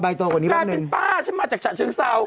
ได้เป็นป้ามาจากชะชะชิงซาว